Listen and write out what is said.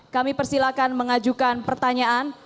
kami persilakan mengajukan pertanyaan